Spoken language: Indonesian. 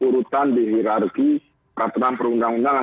urutan di hirarki peraturan perundang undangan